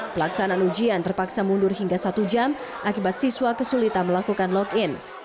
pelaksanaan ujian terpaksa mundur hingga satu jam akibat siswa kesulitan melakukan login